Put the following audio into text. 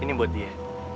ini buat dia